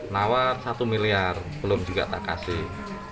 nawar satu miliar belum juga tak kasih